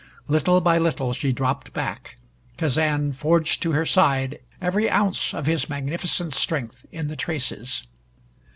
Little by little she dropped back. Kazan forged to her side, every ounce of his magnificent strength in the traces.